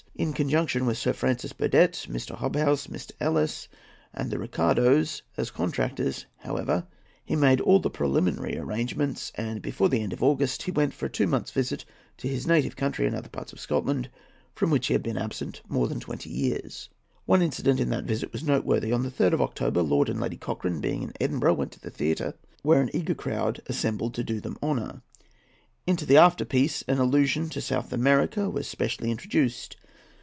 In conjunction with Sir Francis Burdett, Mr. Hobhouse, Mr. Ellice, and the Ricardos, as contractors, however, he made all the preliminary arrangements, and before the end of August he went for a two months' visit to his native county and other parts of Scotland, from which he had been absent more than twenty years. One incident in that visit was noteworthy. On the 3rd of October, Lord and Lady Cochrane, being in Edinburgh, went to the theatre, where an eager crowd assembled to do them honour. Into the after piece an allusion to South America was specially introduced.